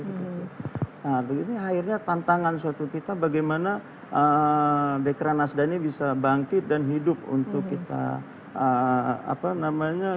nah ini akhirnya tantangan suatu kita bagaimana dekrean nasta ini bisa bangkit dan hidup untuk kita apa namanya kita produksi